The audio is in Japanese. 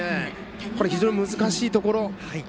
非常に難しいところ。